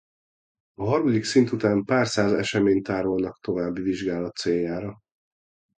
A harmadik szint után pár száz eseményt tárolnak további vizsgálat céljára.